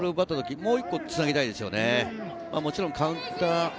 もう一個つなぎたいですよね。